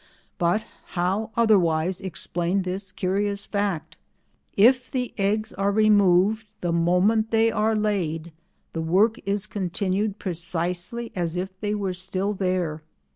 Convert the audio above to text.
But how otherwise explain this curious fact? If the eggs are removed the moment they are laid the work is continued precisely as if they were still there.